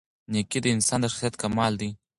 نېکي د انسان د شخصیت کمال دی.